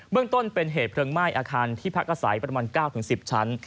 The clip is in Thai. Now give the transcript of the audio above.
เรื่องต้นเป็นเหตุเพลิงไหม้อาคารที่พักอาศัยประมาณ๙๑๐ชั้น